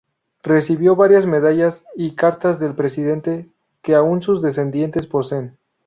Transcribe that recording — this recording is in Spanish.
Recibió varias medallas y cartas del presidente, que aún sus descendientes poseen.